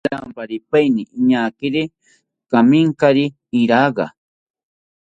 Shiramparipaeni iñaakiri kaminkari iraga